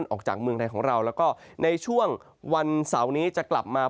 ออกจากเมืองไทยของเราแล้วก็ในช่วงวันเสาร์นี้จะกลับมา